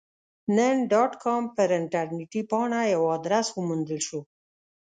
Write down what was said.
نن ډاټ کام پر انټرنیټي پاڼه یو ادرس وموندل شو.